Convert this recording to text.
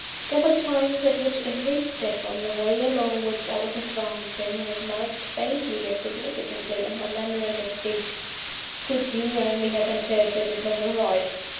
There were times at which every step of the way along which I was advancing was marked, faintly yet significantly, in her manner and her speech, could you only have interpreted them aright.